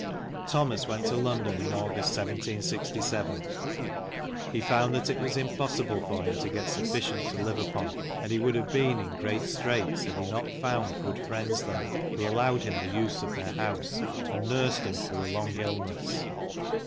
Thomas went to London in August, 1767. He found that it was impossible for him to get sufficient to live upon, and he would have been in great straits had he not found good friends there who allowed him the use of their house, and nursed him through a long illness.